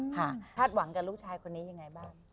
คาดหวังกับลูกชายคนนี้ยังไงบ้าง